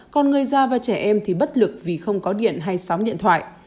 còn người già và trẻ em thì bất lực vì không có điện hay sóng điện thoại